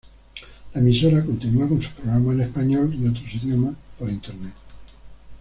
La emisora continúa con sus programas en español y otros idiomas por internet.